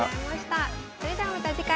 それではまた次回。